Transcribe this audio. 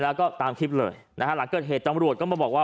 แล้วก็ตามคลิปหลังเกิดจำโรหวชเข้ามาบอกว่า